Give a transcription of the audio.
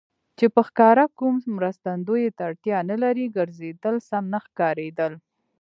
چې په ښکاره کوم مرستندویه ته اړتیا نه لري، ګرځېدل سم نه ښکارېدل.